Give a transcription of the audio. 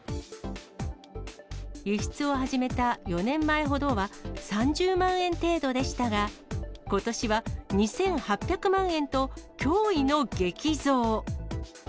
輸出を始めた４年前ほどは３０万円程度でしたが、ことしは２８００万円と、驚異の激増。